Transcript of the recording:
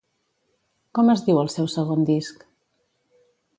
Com es diu el seu segon disc?